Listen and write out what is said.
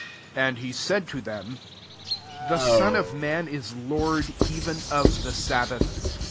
5 And he said to them, << The Son of man is Lord even of the sabbath."